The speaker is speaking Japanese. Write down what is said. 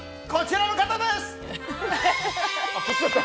こちらの方です！